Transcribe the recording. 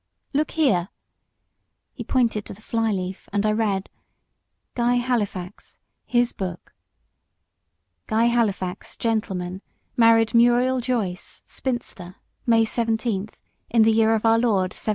"Look here." He pointed to the fly leaf, and I read: "Guy Halifax, his Book. "Guy Halifax, gentleman, married Muriel Joyce, spinster, May 17, in the year of our Lord 1779.